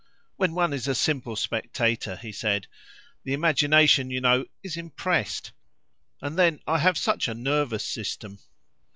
"When one is a simple spectator," he said, "the imagination, you know, is impressed. And then I have such a nervous system!"